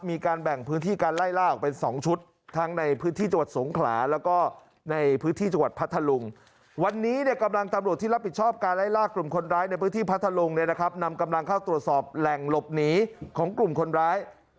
มีการแบ่งพื้นที่การไล่ล่าออกเป็นสองชุดทั้งในพื้นที่จังหวัดสงขลา